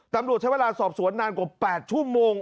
ตำรวจใช้เวลาสอบสวนนานกว่า๘ชั่วโมง